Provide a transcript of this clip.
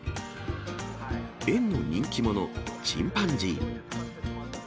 園の人気者、チンパンジー。